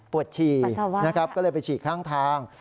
ปวดฉี่ก็เลยไปฉี่ข้างทาง